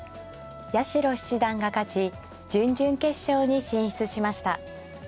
八代七段が勝ち準々決勝に進出しました。